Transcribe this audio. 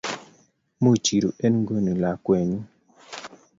Much iru eng nguni lakwenyu